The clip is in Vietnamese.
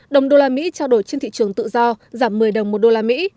đồng đô la mỹ trao đổi trên thị trường tự do giảm một mươi đồng một đô la mỹ